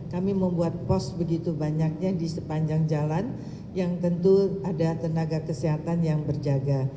kami membuat pos begitu banyaknya di sepanjang jalan yang tentu ada tenaga kesehatan yang berjaga